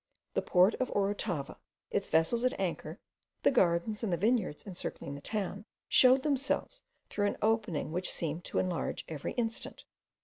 The port of Orotava, its vessels at anchor, the gardens and the vineyards encircling the town, shewed themselves through an opening which seemed to enlarge every instant.